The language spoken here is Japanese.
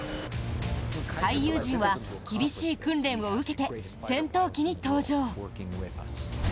俳優陣は厳しい訓練を受けて戦闘機に搭乗。